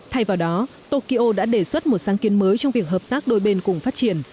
thay vào đó tokyo đã đề xuất một sáng kiến mới trong việc hợp tác đôi bên cùng phát triển